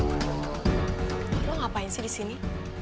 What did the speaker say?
buat lu ngapain sih disini